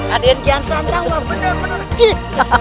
ada yang kian santang lah bener bener